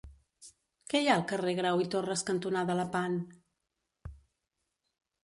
Què hi ha al carrer Grau i Torras cantonada Lepant?